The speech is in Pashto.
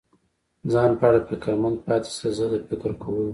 ځان په اړه فکرمند پاتې شي، زه د فکر کولو.